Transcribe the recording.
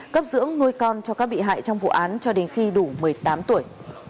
cấp dưỡng nuôi con cho các bị hại trong vụ án cho đến khi đủ một mươi tám tuổi